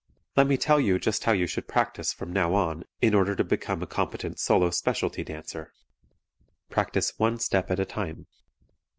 Let me tell you just how you should practice from now on in order to become a competent solo specialty dancer. Practice one step at a time.